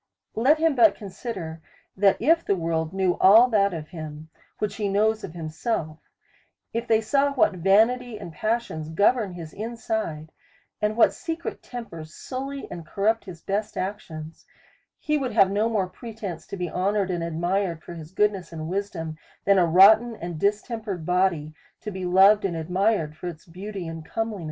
Let him but consider, that if the world knew all that of him, which he knows of himself; if they saw what vanity and passions govern his inside, and what secret tempers sully and corrupt his best actions, he would have no more pretence to be honoured and ad mired for his goodness and wisdom, than a rotten and distempered body to be loved and admired for its beauty and comeliness.